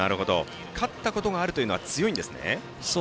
勝ったことがあるというのは強いんですね。